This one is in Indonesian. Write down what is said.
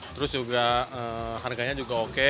terus juga harganya juga oke